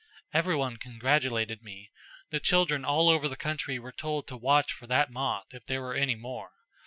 "Everybody congratulated me. The children all over the country were told to watch for that moth, if there were any more.